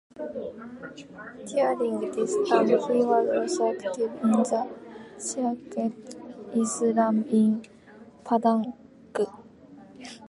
During this time he was also active in the Sarekat Islam in Padang.